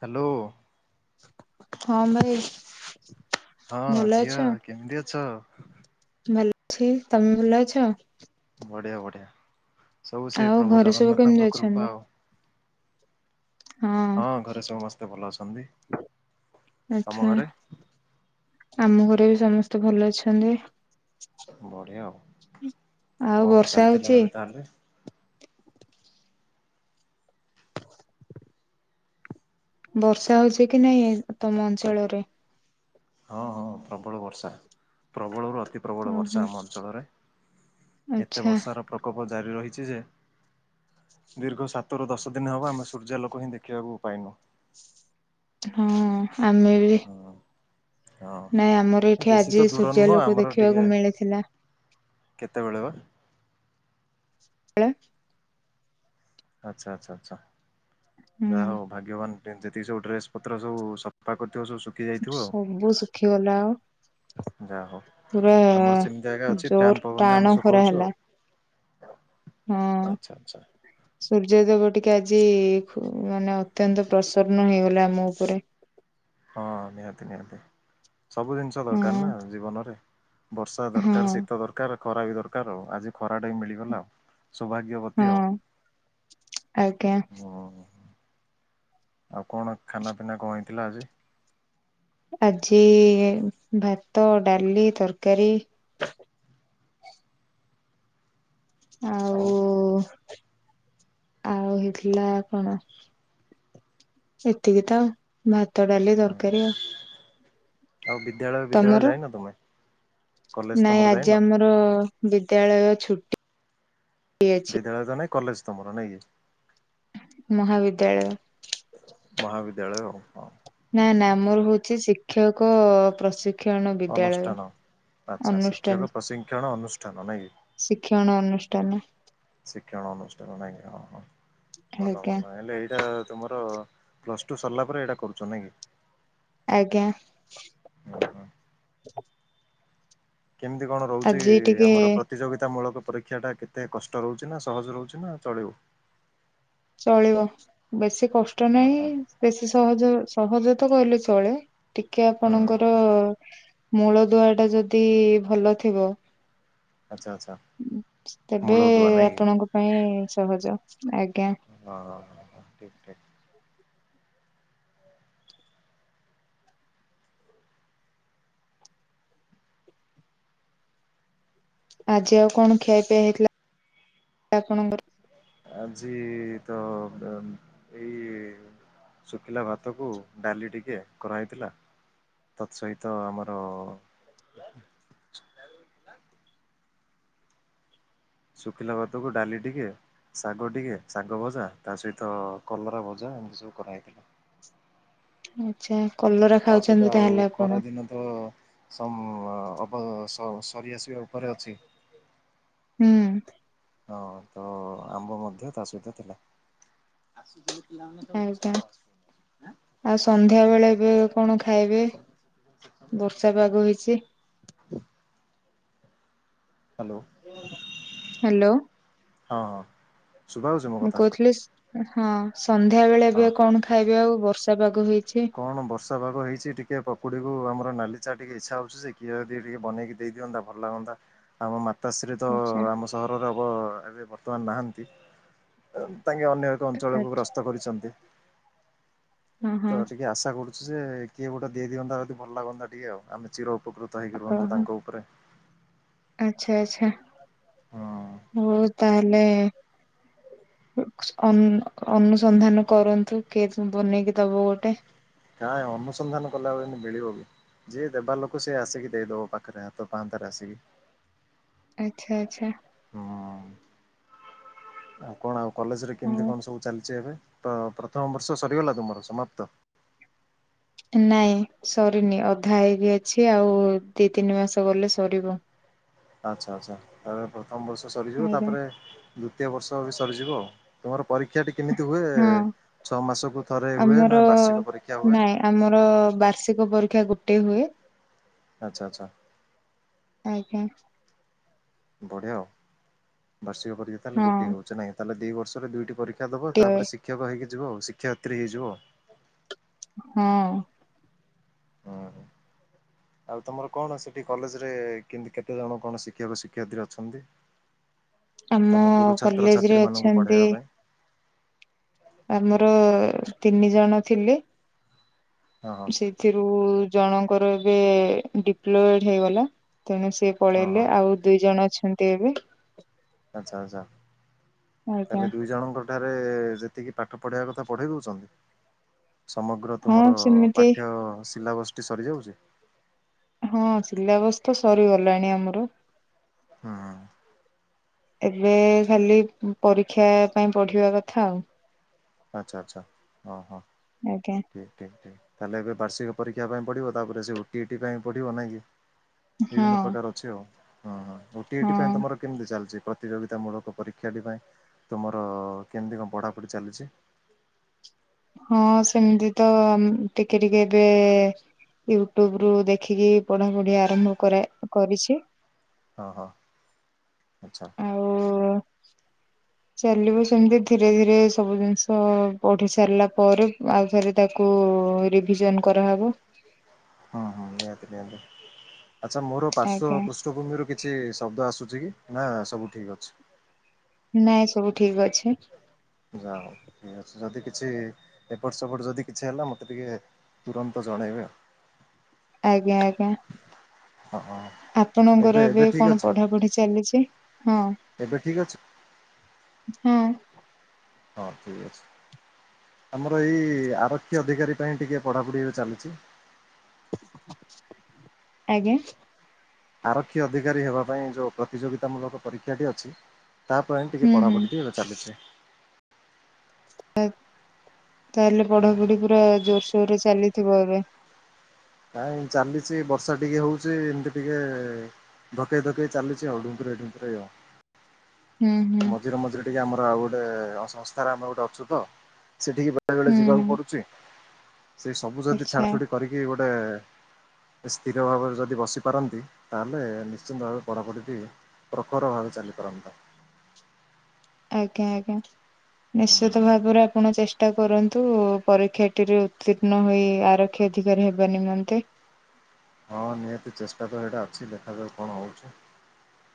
Hello. ହଁ ଭାଇ। ହଁ ଭଲ ଅଛ? ଝିଅ କେମିତି ଅଛ? ଭଲ ଅଛି। ତୋମେ ଭଲ ଅଛ? ବଢିଆ ବଢିଆ ସବୁ ସେଇ ଆଉ ପ୍ରଭୁ ଘରେ ସବୁ କେମିତି ଜଗନ୍ନାଥଙ୍କ କୃପା ଅଛନ୍ତି? ଆଉ। ହଁ ଘରେ ସମସ୍ତେ ଭଲ ଅଛନ୍ତି। ଆମ ଆଚ୍ଛା ଘରେ। ଆମ ଘରେ ବି ସମସ୍ତେ ଭଲ ଅଛନ୍ତି। ବଢିଆ ଆଉ, ଆଉ କଣ ବର୍ଷା ଚାଲିଥିଲା ହଉଚି? ଏବେ ତାହେଲେ? ବର୍ଷା ହଉଛି କି ନାଇଁ ତୋମ ଅଞ୍ଚଳରେ? ହଁ ହଁ ପ୍ରବଳ ବର୍ଷା ପ୍ରବଳରୁ ଅତି ପ୍ରବଳ ଓହୋ ବର୍ଷା ଆମ ଅଞ୍ଚଳରେ। ଏତେ ଆଚ୍ଛା ବର୍ଷାର ପ୍ରକୋପ ଜାରି ରହିଛି ଯେ ଦୀର୍ଘ ସାତରୁ ଦଶ ଦିନ ହବ ଆମେ ସୂର୍ଯ୍ୟାଲୋକ ହିଁ ଦେଖିବାକୁ ପାଇନୁ। ହଁ ଆମେ ବି। ହୁଁ ହଁ ନାଇଁ ଆମର ଏ ଏଠି ବେଶୀ ଆଜି ତ ଦୂର ନୁହଁ ସୂର୍ଯ୍ୟାଲୋକ ଆମର ଦେଖିବାକୁ ଟିକେ ମିଳିଥିଲା। କେତେବେଳେ ବା? ଳେ ଆଚ୍ଛା, ଆଚ୍ଛା, ଆଚ୍ଛା, ହୁଁ ଯା ହୋଉ ଭାଗ୍ୟବାନ ଟେ ଯେତିକି ସବୁ ଡ୍ରେସ୍ ପତ୍ର ସବୁ ସଫା କରିଥିବ ସବୁ ଶୁ ସବୁ ଶୁଖିଗଲା। ଯା ହଉ ପୁରା ଆମର ସେମତି ଏକା ଅଛି ଜୋର ଫ୍ୟାନ୍ ପବନ ରେ ଟାଣ ଆମେ ଖରା ଶୁଖଉଛୁ ହେଲା ଆଉ। ହଁ। ଆଚ୍ଛା ଆଚ୍ଛା। ସୂର୍ଯ୍ୟଦେବ ଟିକେ ଆଜି ଖୁ-ମାନେ ଅତ୍ୟନ୍ତ ପ୍ରସନ୍ନ ହେଇଗଲା ଆମ ଉପରେ। ହଁ ନିହାତି ନିହାତି ସବୁ ଜିନିଷ ଦରକାର ନା ହଁ ଜୀବନରେ। ବର୍ଷା ହଁ ଦରକାର, ଶୀତ ଦରକାର, ଖରା ବି ଦରକାର, ଆଉ ଆଜି ଖରା ଟା ବି ମିଳିଗଲା ଆଉ। ସୌଭାଗ୍ୟବତୀ ଆଉ। ହଁ ଆଜ୍ଞା। ହୁଁ ଆଉ କଣ ଖାନା ପିନା କଣ ହେଇଥିଲା ଆଜି? ଆଜି ଭାତ, ଡାଲି, ତରକାରୀ। ଆ ଆଉ ଓ ଆଉ ହେଇଥିଲା କଣ? ଏତିକି ଆଉ ଭାତ, ଡାଲି, ହୁଁ। ତରକାରୀ ଆଉ। ଆଉ ବିଦ୍ୟାଳୟ ବିଦ୍ୟାଳୟ ତମର? ଯାଇନ ତୋମେ? ନାଇଁ ଆଜି ଆମର ବିଦ୍ୟାଳୟ ଛୁଟି ଏ। ବିଦ୍ୟାଳୟ ତ ନାଇଁ କଲେଜ୍ ତୋମର ନାଇକି? ମହାବିିଦ୍ୟାଳୟ। ମହାବିଦ୍ୟାଳୟ ହଉ ହଁ। ନା ଠିକ୍ ନା ଠିକ୍ ମୁଁ ହଉଚି ଶିକ୍ଷକ ପ୍ରଶିକ୍ଷଣ ବିଦ୍ୟାଳୟ। ଅନୁଷ୍ଠାନ ଆଚ୍ଛା ଅନୁଷ୍ଠାନ ଶିକ୍ଷକ ପ୍ରଶିଂକ୍ଷଣ ଅନୁଷ୍ଠାନ ନାଇଁ କି। ଶିକ୍ଷଣ ଅନୁଷ୍ଠାନ। ଶିକ୍ଷଣ ଅନୁଷ୍ଠାନ ନାଇଁ କି ହଁ ହଁ। ଭଲ ଆଜ୍ଞା ଭଲ ହେଲେ ଏଇଟା ତୁମର ପ୍ଲସ୍ ଟୁ ସରିଲା ପରେ ଏଇଟା କରୁଚ ନାଇଁ କି? ଆଜ୍ଞା। ଓ ହୋ। କେମତି କଣ ରହୁଚି ଆଜି ଟିକେ ଆମର ପ୍ର ତିଯୋଗିତାମୂଳକ ପରୀକ୍ଷାଟା କେତେ କଷ୍ଟ ରହୁଚି ନା ସହଜ ରହୁଚି ନା ଚଳିବ? ଚଳିବ ବେଶୀ କଷ୍ଟ ହଁ ନାହିଁ। ହଁ ବେଶୀ ସହଜ ସହଜ ତ କହିଲେ ଚଳେ। ଟିକେ ହୁଁ ଆପଣଙ୍କର ମୂଳଦୁଆଟା ଯଦି ଭଲ ଥିବ ଆଚ୍ଛା ଆଚ୍ଛା ଉଁ ତେବେ ମୂଳଦୁଆ ନାଇଁ କି ଆପଣଙ୍କ ପାଇଁ ସହଜ। ଆଜ୍ଞା। ହଁ ହଁ ହଁ ହଁ ଠିକ୍ ଠିକ୍। ଆଜି ଆଉ କଣ ଖିଆ ପିଆ ହେଇଥିଲା ଆପଣଙ୍କର? ଆଜି ତ ଆ ଏଇ ଶୁଖିଲା ଭାତକୁ ଡାଲି ଟିକେ କରାହେଇଥିଲା। ତତ୍ ସହିତ ଆମର ଶୁଖିଲା ଭାତକୁ ଡାଲି ଟିକେ ଶାଗ ଟିକେ ଶାଗ ଭଜା, ତା ସହିତ କଲରା ଭଜା, ଏମିତି ସବୁ କରାହେଇଥିଲା। ଆଚ୍ଛା କଲରା ତା ସହିତ ଖାଉଛନ୍ତି ଆଉ ତାହେଲେ ଖରା ଆପଣ? ଦିନ ତ ସମ୍ ଅପ ସ-ସରିଆସିବା ଉପରେ ଅଛି। ହୁଁ। ହଁ ତ ଆମ୍ବ ମଧ୍ୟ ତା ସହିତ ଥିଲା। ଆସୁଥିଲେ ପିଲାମାନେ ସବୁ। ଆଜ୍ଞା। [unintelligible] ଆଉ ସନ୍ଧ୍ୟାବେଳେ ଏବେ କଣ ଖାଇବେ? ବର୍ଷା ପାଗ ହେଇଚି। Hello hello. ହଁ ହଁ ଶୁଭା ହଉଚି ମୋ କଥା? ପ୍ଲିସ୍ ଅଁ ହଁ ସନ୍ଧ୍ୟାବେଳେ ହଁ ଏବେ କଣ ଖାଇବେ ଆଉ ବର୍ଷା ପାଗ ହେଇଛି? କଣ ବର୍ଷା ପାଗ ହେଇଛି ଟିକେ ପକୁଡ଼ିକୁ ଆମର ନାଲି ଚାହା ଟିକେ ଇଚ୍ଛା ହଉଛି ଯେ କିଏ ଟିକେ [unintelligible] ବନେଇକି ଦେଇ ଦିଅନ୍ତା ଭଲ ଲାଗନ୍ତା। ଆମ ମାତାଶ୍ରୀ ତ ଆଚ୍ଛା ଆମ ସହରରେ ହବ ଏବେ ବର୍ତ୍ତମାନ ନାହାନ୍ତି। ଅଃ ତାଙ୍କେ ଅନ୍ୟ ଅଞ୍ଚଳକୁ ଆଚ୍ଛା ଗ୍ରସ୍ତ କରିଛନ୍ତି। ହଁ ତ ଟିକେ ଆଶା କରୁଛି ଯେ କିଏ ଗୋଟେ ଦେଇଦିଅନ୍ତା ଯଦି ଭଲ ଲାଗନ୍ତା ଟିକେ ଆଉ। ଆମେ ଚିରୋ ଉପକୃତ ହେଇକି ରୁହନ୍ତୁ ଓହୋ ତାଙ୍କ ଉପରେ। ଆଚ୍ଛା ଆଚ୍ଛା ହଁ ହଉ ତାହେଲେ। ଉ କ୍ସୁ ଅନ୍-ଅନୁସନ୍ଧାନ କରନ୍ତୁ କିଏ ବନେଇକି ଦବ ଗୋଟେ। କାଇଁ ଅନୁସନ୍ଧାନ କଲାବେଳେ [unintelligible] ମିଳିବ ବି। ଯିଏ ଦେବା ଲୋକ ସିଏ ଆସିକି ଦେଇଦବ ପାଖେରେ ହାତ ପାହାନ୍ତାରେ ଆସିକି। ଆଚ୍ଛା ଆଚ୍ଛା। ହୁଁ। ଆଉ କଣ ଆଉ କଲେଜରେ କେମତି ହଉ କଣ ସବୁ ଚାଲିଛି ଏବେ? ତ ପ୍ରଥମ ବର୍ଷ ସରିଗଲା ତୁମର ସମାପ୍ତ? ନାଇଁ ସରିନି ଅଧା ହେଇକି ଅଛି। ଆଉ ଦି ତିନି ମାସ ଗଲେ ସରିବ। ଆଚ୍ଛା ଆଚ୍ଛା ତା ପରେ ପ୍ରଥମ ବର୍ଷ ସରିଯିବ। ତା ଆଜ୍ଞା ପରେ ଦ୍ବୁତୀୟ ବର୍ଷ ବି ସରିଯିବ ଆଉ। ତୁମର ପରୀକ୍ଷାଟି କେମିତି ହୁଏ? ହଁ ଛଅ ମାସକୁ ଥରେ ହୁଏ ଆମର ନା ବାର୍ଷିକ ପରୀକ୍ଷା ହୁଏ? ନାଇଁ ଆମର ବାର୍ଷିକ ପରୀକ୍ଷା ଗୋଟେ ହୁଏ। ଆଚ୍ଛା ଆଚ୍ଛା। ଆଜ୍ଞା। ବଢିଆ ଆଉ। ବାର୍ଷିକ ପରୀକ୍ଷା ତାହେଲେ ହଁ ଗୋଟିଏ ହଉଛି ନାହିଁ କି। ତାହେଲେ ଦି ବର୍ଷରେ ଦୁଇଟି ପରୀ କ୍ଷା ଦବ। ତା ଗୋଟିଏ ପରେ ଶିକ୍ଷକ ହେଇକି ଯିବ ଆଉ। ଶିକ୍ଷୟିତ୍ରୀ ହେଇଯିବ ଆଉ। ହଁ। ହୁଁ। ଆଉ ତମର କଣ ସେଠି କଲେଜରେ କେନ୍ତି କେତେ ଜଣ କଣ ଶିକ୍ଷକ ଶିକ୍ଷୟତ୍ରୀ ଅଛନ୍ତି? ଆମ ତମ ଗୁରୁ କଲେଜରେ ଛାତ୍ରଛାତ୍ରୀ ମାନଙ୍କୁ ଅଛନ୍ତି ପଢେଇବା ପାଇଁ ଆମର ତିନି ଜଣ ଥିଲେ। ହଁ। ସେଥିରୁ ଜଣଙ୍କର ଏବେ ଡିପ୍ଲୋଏଡ ହେଇଗଲା। ତେଣୁ ସେ ସେ ହଁ ପଳେଇଲେ ହଁ ଆଉ ଦୁଇ ଜଣ ଅଛନ୍ତି ଏବେ। ଆଚ୍ଛା ଆଚ୍ଛା। ଆଜ୍ଞା ତାହେଲେ ଦୁଇ ଜଣଙ୍କର ସେଠାରେ ଯେତିକି ପାଠ ପଢେଇବା କଥା ପଢେଇ ଦଉଛନ୍ତି? ସମଗ୍ର ହଁ ତୁମର ସେମିତି ପାଠ୍ୟ ସିଲାବସ ଟି ସରିଯାଉଚି? ହଁ ସିଲାବସ ତ ସରିଗଲାଣି ଆମର। ହଁ। ଏବେ ଖାଲି ପରୀକ୍ଷା ପାଇଁ ପଢିବା କଥା ଆଉ। ଆଚ୍ଛା ଆଚ୍ଛା। ହଁ ହଁ। [unintelligible] ଠିକ୍ ଠିକ୍ ଠିକ୍। ତାହେଲେ ଏବେ ବାର୍ଷିକ ପରୀକ୍ଷା ପାଇଁ ପଢିବ, ତାପରେ ସେ ଓଟିଇଟି ପାଇଁ ପଢ଼ିବ ନାହିଁ କି। ବିଭିନ୍ନ ହଁ। ପ୍ରକାର ଅଛି ଆଉ। ହଁ ହଁ ଓଟିଇଟି ପାଇଁ ହଁ ତମର କେମିତି ଚାଲିଛି ପ୍ରତିଯୋଗିତା ମୂଳକ ପରୀକ୍ଷାଟି ପାଇଁ ତୁମର କେମିତି କଣ ପଢ଼ାପଢ଼ି ଚାଲିଛି? ହଁ ସେମିତି ତ ଟିକେ ଟିକେ ଏବେ ୟୁଟ୍ୟୁବ ରୁ ଦେଖିକି ପଢାପଢି ଆରମ୍ଭ କରା କରିଛି। ହଁ ହଁ ଆଚ୍ଛା। ଆଉ ଚାଲିବ ସେମିତି ଧୀରେ ଧୀରେ ସବୁ ଜିନିଷ ପଢି ସାରିଲା ପରେ ଆଉଥରେ ତାକୁ ରିଭିଜନ କରାହେବ। ହଁ ହଁ ନିହାତି ନିହାତି। ଆଚ୍ଛା ମୋର ପାର୍ଶ୍ଵ ଆଜ୍ଞା ପୃଷ୍ଠଭୂମି ର କି କିଛି ଶବ୍ଦ ଆସୁଛି କି? ନା ସବୁ ଠିକ ଅଛି? ନାଇଁ, ସବୁ ଠିକ୍ ଅଛି। ଯା ହଉ, ଯଦି କିଛି ଏପଟ ସେପଟ ଯଦି କିଛି ହେଲା ମୋତେ ଟିକେ ତୁରନ୍ତ ଜଣେଇବେ ଆଉ। ଆଜ୍ଞା ଆଜ୍ଞା। ହଁ ହଁ। ଆପଣଙ୍କର ଏବେ ଏବେ ଠିକ୍ କଣ ଅଛି, ପଢାପଢି ଚାଲିଛି? ହଁ ଏବେ ଠିକ୍ ଅଛି। [inaudible] ହଁ। ହଁ ଠିକ୍ ଅଛି। ଆମର ଏଇ ଆର ଅଧିକାରୀ ପାଇଁ ଟିକେ ପଢ଼ାପଢ଼ି ଏବେ ଚାଲିଛି। ଆଜ୍ଞା। ଆରକ୍ଷୀ ଅଧିକାରୀ ହେବା ପାଇଁ ଯୋଉ ପ୍ରତିଯୋଗିତାମୂଳକ ପରୀକ୍ଷାଟି ଅଛି ତା ପାଇଁ ଟିକେ ହୁଁ ହୁଁ ପଢ଼ାପଢ଼ି ଟି ଏବେ ଚାଲିଚି। [unintelligible] ତାହେଲେ ହୁଁ। ପଢାପଢି ପୁରା ଜୋରସୋର ରେ ଚାଲିଥିବ ଏବେ? ନାଇଁ ଚାଲିଚି ବର୍ଷା ଟିକେ ହଉଚି ଏମତି ଟିକେ ଧକେଇ ଧକେଇ ଚାଲିଚି ଆଉ ଡୁମ୍ପୁରେଇ ଡୁମ୍ପୁରେଇବା। ହୁଁ ହୁଁ ମଝିରେ ମଝିରେ ଟିକେ ଆମର ଆଉ ଗୋଟେ ସଂସ୍ଥାରେ ଆମେ ଗୋଟେ ଅଛୁ ତ, ସେଠିକି ବେଳେ ବେଳେ ହୁଁ ଯିବାକୁ ହୁଁ ପଡୁଚି। ସେଇ ସବୁ ଯଦି ଆଚ୍ଛା ଛାଡ ଛୁଡି କରିକି ଗୋଟେ ସ୍ଥିର ଭାବରେ ଯଦି ବସିପାରନ୍ତି ତାହେଲେ, ନିଶ୍ଚିନ୍ତ ଭାବେ ପଢ଼ାପଢ଼ି ଟି ପ୍ରଖର ଭାବେ ଚାଲିପାରନ୍ତା। ଆଜ୍ଞା ଆଜ୍ଞା। ନିଶ୍ଚିତ ଭାବରେ ଆପଣ ଚେଷ୍ଟା କରନ୍ତୁ। ପରୀକ୍ଷାଟିରେ ଉତୀ ର୍ଣ ହୋଇ ଆରକ୍ଷୀ ଅଧିକାରୀ ହେବା ନିମନ୍ତେ। ହଁ ନିହାତି ଚେଷ୍ଟା ତ ହେଇଟା ଅଛି ଦେଖା ଯାଉ କଣ ହଉଚି।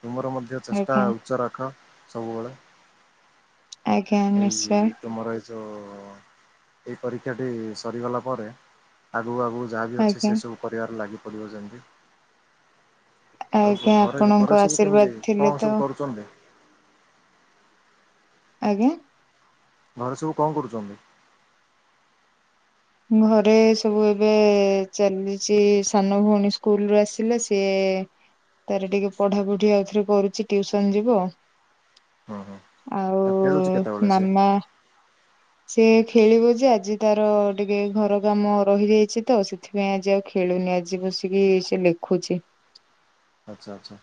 ତୁମର ମଧ୍ୟ ଚେଷ୍ଟା ଆଜ୍ଞା ଉଚ୍ଚ ରଖ ସବୁବେଳେ। ଆଜ୍ଞା ନିଶ୍ଚୟ ଏଇ ତମର ଯୋଉ ଏଇ ପରୀକ୍ଷାଟି ସରିଗଲା ପରେ ଆଗୁକୁ ଆଗୁକୁ ଯାହା ବି ଅଛି ଆଜ୍ଞା ସେ ସବୁ କରିବାରେ ଲାଗି ପଡ଼ିବ ଯେମିତି। ଆଜ୍ଞା ଆଉ ଘରେ ଆପଣଙ୍କ ଘରେ ସବୁ ଆଶୀର୍ବାଦ କେମିତି, ଥିଲେ କଣ ତ ସବୁ କରୁଛନ୍ତି? ଆଜ୍ଞା। ଘରେ ସବୁ କଣ କରୁଛନ୍ତି? ଘରେ ସବୁ ଏବେ ଚାଲିଛି, ସାନ ଭଉଣୀ ସ୍କୁଲ ରୁ ଆସିଲେ ସେ ତାର ଟିକେ ପଢାପଢି ଆଉଥରେ କରୁଛି, ଟିୟୁସନ୍ ଯିବ। ହୁଁ ହୁଁ ଖେଳୁଛି କେତେବେଳେ ଆଉ ସେ ମାମା ସେ ଖେଳିବ ଯେ ଆଜି ତାର ଟିକେ ଘର କାମ ରହିଯାଇଛି ତ, ସେଥିପାଇଁ ଆଜି ଆଉ ଖେଳୁନି ଆଜି ବସିକି ସେ ଲେଖୁଛି। ଆଚ୍ଛା ଆଚ୍ଛା।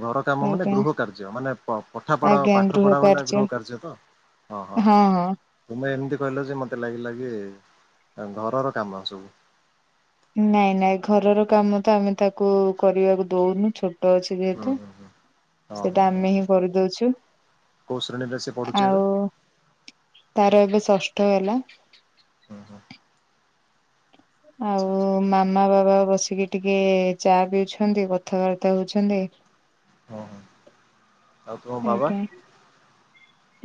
ଘର କାମ ମାନେ ଆଜ୍ଞା ଗୃହ କାର୍ଯ୍ୟ ମାନେ ପଠା ପଢା ଆଜ୍ଞା ପାଠ ଗୃହ ପଢା ମାନେ ଗୃହ କାର୍ଯ୍ୟ ତ? ହଁ ହଁ। ତୁମେ ଏମିତି କହିଲ ଯେ, ମୋତେ ଲାଗିଲା କି ଘରର କାମ ସବୁ। ନାଇଁ ନାଇଁ, ଘରର କାମ ତ ଆମେ ତାକୁ କରିବାକୁ ଦଉନୁ ଛୋଟ ଅଛି। ହୁଁ ଯେହେତୁ, ହୁଁ ହୁଁ ହଁ ହଁ ସେଇଟା ହଁ ଆମେ ହିଁ କରିଦଉଛୁ। କୋଉ ଶ୍ରେଣୀରେ ସେ ପଢୁଛି ଏବେ? ଆଉ ତାର ଏବେ ଷଷ୍ଠ ହେଲା। ହଁ ହଁ। ଆଉ ଆଚ୍ଛା ମାମା ବାବା ବସିକି ଟିକେ ଚା ପିଉଛନ୍ତି, କଥାବାର୍ତ୍ତା ହଉଛନ୍ତି। ହଁ ହଁ ଆଉ ତୁମ ବାବା [unintelligible]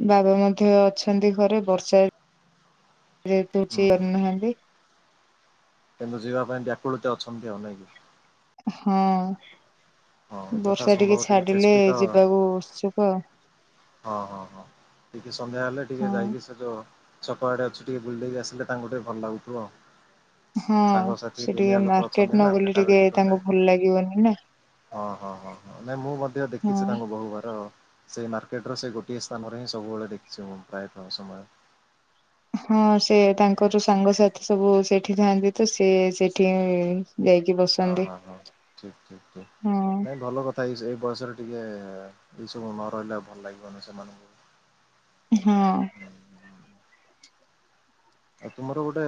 ବାବା ମଧ୍ୟ ଅଛନ୍ତି ଘରେ, ବର୍ଷା ହୁଁ ହୁଁ [unintelligible] କିନ୍ତୁ ଯିବା ପାଇଁ ବ୍ୟାକୁଳତେ ଅଛନ୍ତି, ନାଇକ କି? ହଁ, ହଁ ଯଥା ବର୍ଷା ଟିକେ ସମ୍ଭବ ଛାଡିଲେ ଚେଷ୍ଟିତ ଯିବାକୁ ଉସୁକ। ହଁ, ହଁ, ହଁ ଟିକେ ସନ୍ଧ୍ୟା ହେଲେ ଟିକେ ହଁ ଯାଇକି ସେ ଯୁ ଛକଆଡେ ଅଛି ଟିକେ ବୁଲଡେଇି ଆସିଲେ ତାଙ୍କୁ ଟିକେ ଭଲ ଲାଗୁଥିବ। ହଁ ସାଙ୍ଗସାଥି ସେ ଟିକେ ଦୁନିଆ ଲୋକ ମାର୍କେଟ ଅଛନ୍ତି ନ ନା ଗଲେ ଭେଟା ଟିକେ ଭେଟି ତାଙ୍କୁ କଲେ। ଭଲ ଲାଗିବନି ନା ହଁ, ହଁ, ହଁ ନାଇଁ ମୁଁ ମଧ୍ୟ ହଁ ଦେଖିଛି ତାଙ୍କୁ ବହୁ ବାର ସେଇ ମାର୍କେଟ ର ସେ ଗୋଟିଏ ସ୍ଥାନରେ ହିଁ ସବୁବେଳେ ଦେଖିଛି ମୁଁ ପ୍ରାୟତଃ ସମୟ ହଁ, ସେ ତାଙ୍କର ସାଙ୍ଗସାଥି ସବୁ ସେଠି ଥାଆନ୍ତି ତ ସେ ସେଠି ଯାଇକିବ ହଁ ହଁ ହଁ, ଠିକ ଠିକ ହଁ ଠିକ ନାଇଁ ଭଲ କଥା। ଏଇ ବୟସରେ ଟିକେ ଏଇସବୁ ନ ରହିଲେ ଆଉ ଭଲ ଲାଗିବନି ସେମାନଙ୍କୁ। ହଁ। ଆଉ ତୁମର ଗୋଟେ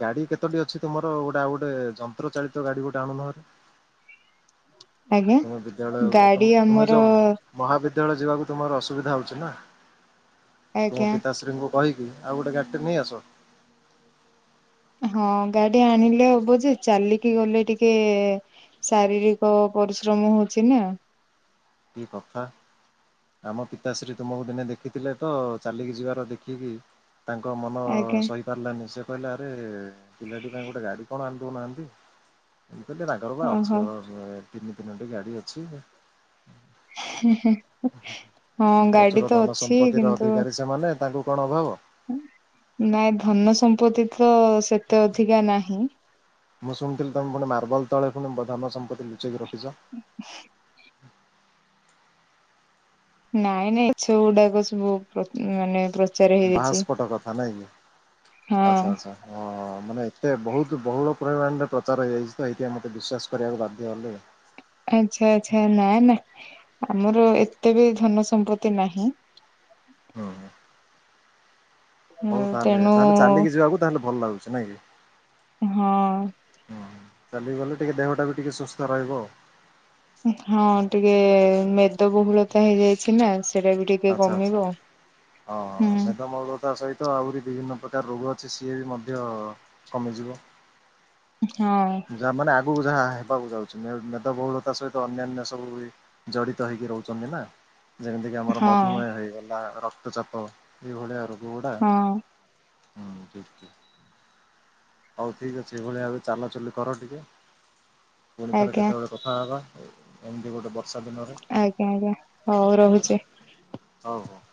ଗାଡି କେତୋଟି ଅଛି ତୁମର ଗୋଟେ ଆଉ ଗୋଟେ ଯନ୍ତ୍ର ଚାାଳିତ ଗାଡି ଗୋଟେ ଆଣୁନ ହେରି। ଆଜ୍ଞା ତୁମେ ବିଦ୍ୟାଳୟ, ଗାଡି ତମେ ତୁମେ ଆମର ଯଉ ମହାବିଦ୍ୟାଳୟ ଯିବାକୁ ତୁମର ଅସୁବିଧା ହଉଛି ନା, ତୁମ ଆଜ୍ଞା ପିତାଶ୍ରୀଙ୍କୁ କହିି ଆଉ ଗୋଟେ ଗାଡ଼ିଟେ ନେଇ ଆସ। ହଁ ଗାଡି ଆଣିଲେ ହବ ଯେ, ଚାଲିକି ଗଲେ ଟିକେ ଶାରୀରିକ ପରିଶ୍ରମ ହଉଛି ନା। କି କଥା ଆମ ପିତାଶ୍ରୀ ତୁମକୁ ଦିନେ ଦେଖିଥିଲେ ତ, ଚାଲିକି ଯିବାର ଦେଖିକି ତାଙ୍କ ମନ ଆଜ୍ଞା ସହି ପାରିଲାନି ସେ କହିଲା ଆରେ ପିଲାଟି ପାଇଁ ଗୋଟେ ଗାଡି କଣ ଆଣ ଦଉନାହାନ୍ତି ମୁଁ କହିଲି ରାଗ ରୁଗା ଓହୋ ଅଛି ବୋଧେ ତିନି ତିନଟି ଗାଡି ଅଛି। ହଁ ଗାଡି ପ୍ରଚୁର ତ ଧନ ଅଛି ସମ୍ପତ୍ତି ର କିନ୍ତୁ ଅଧିକାରୀ ସେମାନେ। ତାଙ୍କୁ କଣ ଅଭାବ। ନାଇଁ ଧନ ସମ୍ପତ୍ତି ତ ସେତେ ଅଧିକା ନାହିଁ। ମୁଁ ଶୁଣିଥିଲି ତମେ ପୁଣି ମାର୍ବଲ ତଳେ ପୁଣି ଧନ ସମ୍ପତ୍ତି ଲୁଚେଇି ରଖିଛ। ହୂ। ନାଇଁ, ନାଇଁ ଛ ଗୁଡାକ ସବୁ ପ୍ର ମାନେ ପ୍ର ବାସ୍ପଟ କଥା ନାଇଁ କି? ହଁ। ଆଛା ଆଚ୍ଛା ହଁ। ହଁ ମାନେ ଏତେ ବହୁତ ବହୁଳ ପରିମାଣରେ ପ୍ରଚାର ହେଇଯାଇଛି ତ ଏଇଥିପାଇଁ ମୋତେ ବିଶ୍ୱାସ କରିବାକୁ ବାଧ୍ୟ ହେଲି। ଆଛା, ଆଚ୍ଛା ନା ନା ଆମର ଏତେ ବି ଧନ ସମ୍ପତ୍ତି ନାହିଁ। ହୁଁ। ହଉ ତାହାଲେ ତେଣୁ ତାହେଲେ ଚାଲିକି ଯିବାକୁ ତାହେଲେ ଭଲ ଲାଗୁଛି ନାଇଁ କି? ହଁ। ହଁ, ଚାଲିଗଲେ ଟିକେ ଦେହଟା ବି ଟିକେ ସୁସ୍ଥ ରହିବ ଆଉ। ହଁ, ଟିକେ ମେଦବହୁଳତା ହେଇଯାଇଛି ନା ସେଟା ବି ଟିକେ ଆଛା, ଆଚ୍ଛା କମିବ। ହଁ ହୁଁ ମେଦମହୁଳତା ସହିତ ତ ଆହୁରି ବିଭିନ୍ନ ପ୍ରକାର ରୋଗ ଅଛି ସିଏ ବି ମଧ୍ୟ କମିଯିବ ହଁ। ଯାହା ମାନେ ଆଗକୁ ଯାହା ହେବାକୁ ଯାଉଛି ମେଦବହୁଳତା ସହିତ ଅନ୍ୟାନ୍ୟ ସବୁ ଜଡିତ ହେଇକି ରହୁଛନ୍ତି ନା ଯେମିତିକିି ଆମର ହଁ ମଧୁମେହ ହେଇଗଲା ରକ୍ତ ଚାପ ଏଭଳିଆ ରୋଗ ଗୁଡା ହଁ ହୁଁ, ହଉ ଠିକ ଅଛି। ଏଇ ଭଳି ଭାବରେ ଚାଲଚୁଲି କର ଟିକେ। ପୁଣି ଥରେ ଆଜ୍ଞା କେତେବେଳେ କଥା ହେବା ଏମିତି ଗୋଟେ ବ ଷା ଦିନରେ ଆଜ୍ଞା ଆଜ୍ଞା ହଉ ରହୁଛି। ହଉ ହଉ